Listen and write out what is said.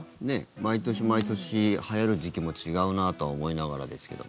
毎年毎年、はやる時期も違うなと思いながらですけど。